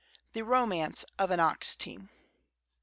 The Romance of an Ox Team.